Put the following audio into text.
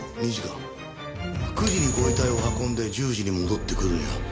９時にご遺体を運んで１０時に戻ってくるには。